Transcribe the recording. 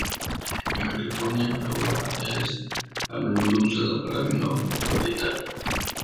En California, la uva es a menudo usada para vino varietal.